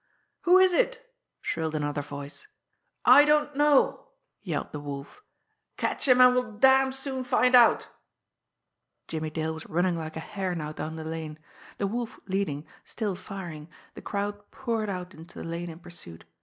"Who is it?" shrilled another voice. "I don't know!" yelled the Wolf. "Catch him, and we'll damn soon find out!" Jimmie Dale was running like a hare now down the lane. The Wolf leading, still firing, the crowd poured out into the lane in pursuit.